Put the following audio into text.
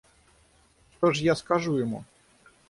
Что ж я скажу ему?